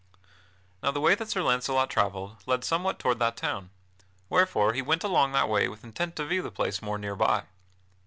Now the way that Sir Launcelot travelled, led somewhat toward that town, wherefore he went along that way with intent to view the place more near by.